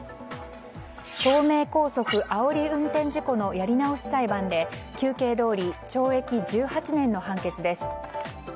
東名高速あおり運転事故のやり直し裁判で求刑どおり懲役１８年の判決です。